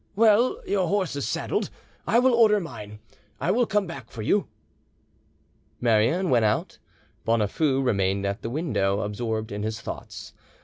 Well, your horse is still saddled. I will order mine—I will come back for you." Marouin went out. Bonafoux remained at the window, absorbed in his thoughts.